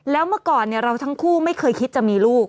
แล้วเมื่อก่อนเราทั้งคู่ไม่เคยคิดจะมีลูก